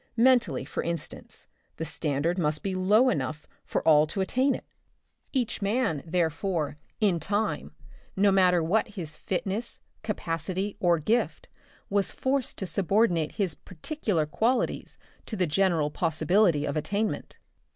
Mentally, for instance, the standard must be made low enough for all to attain it ; each man, therefore, in time, no matter what his fitness, capacity or gift, was forced to subordinate his particular qualities to the general possibility of attainment.